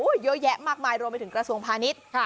เยอะแยะมากมายรวมไปถึงกระทรวงพาณิชย์